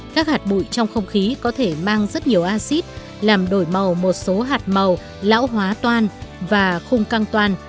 các hạt bụi trong không khí có thể mang rất nhiều acid làm đổi màu một số hạt màu lão hóa toan và khung căng toan